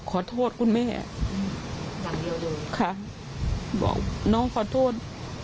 ขอโทษคุณแม่บอกน้องขอโทษ